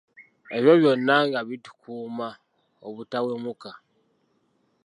Ebyo byonna nga bitukuuuma obutawemuka.